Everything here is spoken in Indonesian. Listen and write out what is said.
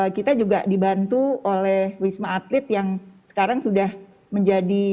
kita juga dibantu oleh wisma atlet yang sekarang sudah menjadi